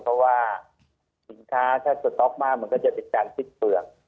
เพราะว่าสินค้าถ้าสต๊อกมากมันก็จะเป็นการสิ้นเปลือก